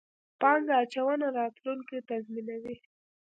پانګه اچونه، راتلونکی تضمینوئ